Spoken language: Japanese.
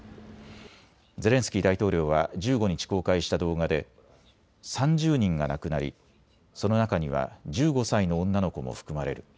ゼレンスキー大統領は１５日、公開した動画で３０人が亡くなり、その中には１５歳の女の子も含まれる。